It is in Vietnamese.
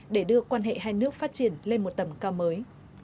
để đưa quan hệ hai nước phát triển lên một tầm cao mới